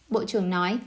bộ trưởng nói